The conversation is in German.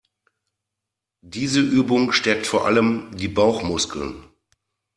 Diese Übung stärkt vor allem die Bauchmuskeln.